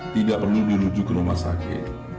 tidak perlu dirujuk ke rumah sakit